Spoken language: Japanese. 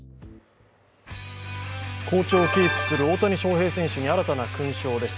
好調をキープする大谷翔平選手に新たな勲章です。